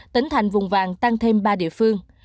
tỉnh thành vùng vàng tăng thêm ba địa phương